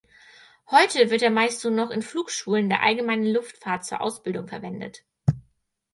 Heute wird er meist nur noch in Flugschulen der Allgemeinen Luftfahrt zur Ausbildung verwendet.